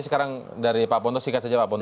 sekarang dari pak ponto singkat saja pak pun